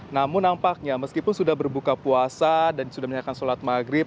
namun nampaknya meskipun sudah berbuka puasa dan sudah menyiapkan sholat maghrib